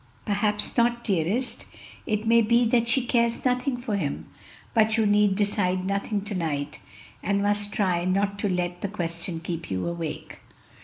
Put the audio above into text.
"Perhaps not, dearest; it may be that she cares nothing for him. But you need decide nothing to night, and must try not to let the question keep you awake."